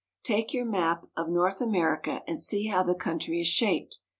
Take your map of North America, and see how the country is shaped.